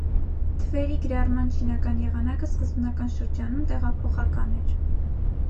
Թվերի գրառման չինական եղանակը սկզբնական շրջանում տեղափոխական էր։